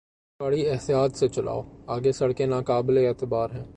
گاڑی احتیاط سے چلاؤ! آگے سڑکیں ناقابل اعتبار ہیں۔